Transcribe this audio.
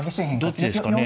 どっちですかね。